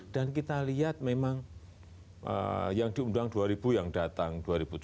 dan kita lihat memang yang diundang dua ribu yang datang dua ribu tujuh ratus